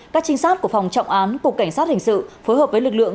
các trinh sát của phòng trọng án cục cảnh sát hình sự phối hợp với lực lượng